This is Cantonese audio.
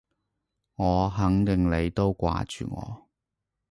我肯定你都掛住我